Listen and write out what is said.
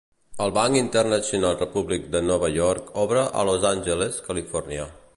El Bank International Republic de Nova York obre a Los Angeles, Califòrnia.